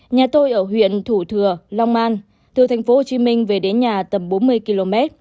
nhà tôi ở huyện thủ thừa long man từ thành phố hồ chí minh về đến nhà tầm bốn mươi km